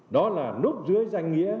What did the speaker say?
đó là núp dưới danh nghĩa